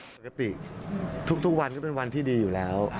ปกติทุกวันก็เป็นวันที่ดีอยู่แล้ว